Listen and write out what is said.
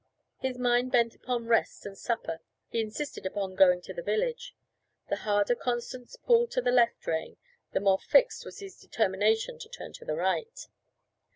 His mind bent upon rest and supper, he insisted upon going to the village; the harder Constance pulled on the left rein, the more fixed was his determination to turn to the right.